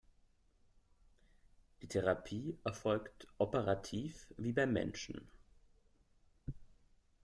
Die Therapie erfolgt operativ wie beim Menschen.